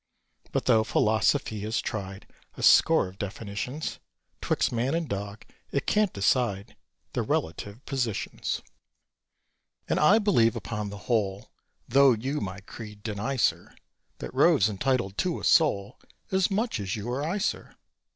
But though Philosophy has tried A score of definitions, 'Twixt man and dog it can't decide The relative positions. And I believe upon the whole (Though you my creed deny, sir), That Rove's entitled to a soul As much as you or I, sir!